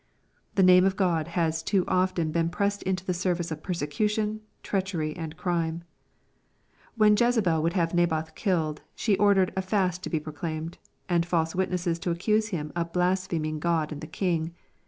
The name of God has too often been pressed into the service of persecution, treachery, and crime. When Jezebel would have N aboth killed, she ordered a " fast to be proclaimed," and false witnesses to accuse him of " blaspheming God and the king."